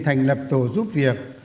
thành lập tổ giúp việc